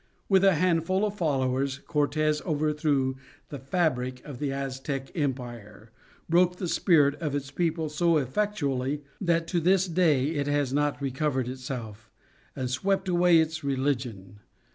With a handful of followers Cortes overthrew the fabric of the Aztec Empire, broke the spirit of its people so effectually that to this day it has not recovered itself, and swept away its religion.